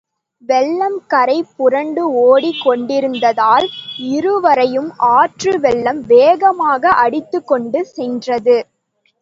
வெள்ளம் கரை புரண்டு ஓடிக் கொண்டிருந்ததால், இருவரையும் ஆற்று வெள்ளம் வேகமாக அடித்துக் கொண்டு சென்றது.